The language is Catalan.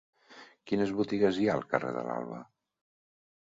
Quines botigues hi ha al carrer de l'Alba?